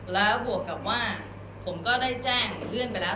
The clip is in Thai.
แล้วบวกกับว่าผมก็ได้แจ้งเลื่อนไปแล้ว